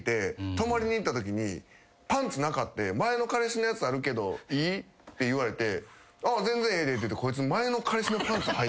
パンツなかって「前の彼氏のやつあるけどいい？」って言われて全然ええでって言ってこいつ。